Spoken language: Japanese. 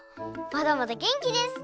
まだまだげんきです！